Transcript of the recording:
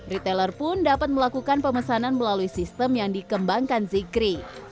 retailer pun dapat melakukan pemesanan melalui sistem yang dikembangkan zikri